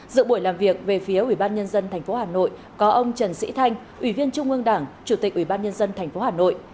dự buổi làm việc về phía ủy ban nhân dân tp hà nội có ông trần sĩ thanh ủy viên trung ương đảng chủ tịch ủy ban nhân dân tp hà nội